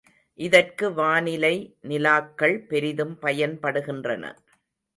இதற்கு வானிலை நிலாக்கள் பெரிதும் பயன்படுகின்றன.